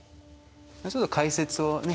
ちょっと解説をね